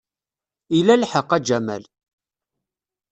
Ila lḥeqq, a Jamal.